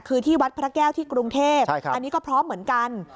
คือที่วัดพระแก้วที่กรุงเทพอันนี้ก็พร้อมเหมือนกัน